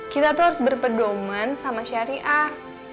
kita tuh harus berpedoman sama syariah